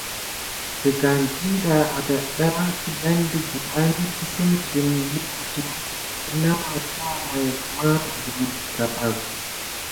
Sigan ɗiɗa ada kidan ɗe gəban kesinki, lukutu nà matua may gumà kum gabak.